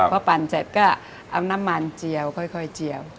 พอปั่นเสร็จก็เอาน้ำมันเจียวค่อยเจียว